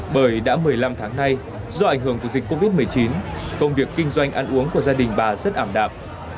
bởi đã một mươi năm tháng nay do ảnh hưởng của dịch covid một mươi chín công việc kinh doanh ăn uống của gia đình bà rất ảm đạp